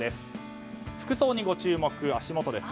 服装にご注目、足元です。